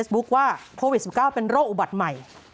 โพวิด๑๙เป็นโรคอุบัติใหม่